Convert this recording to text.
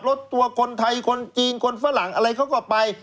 รถตัวคนไทยคนจีนคนฝรั่งอะไรเขาก็ไป